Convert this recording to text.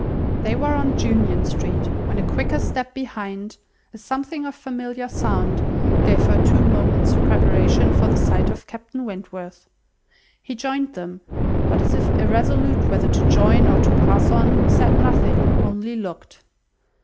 They were on Union Street, when a quicker step behind, a something of familiar sound, gave her two moments' preparation for the sight of Captain Wentworth. He joined them; but, as if irresolute whether to join or to pass on, said nothing, only looked.